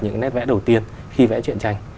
những nét vẽ đầu tiên khi vẽ chuyện tranh